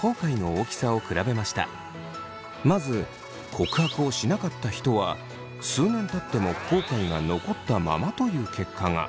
まず告白をしなかった人は数年たっても後悔が残ったままという結果が。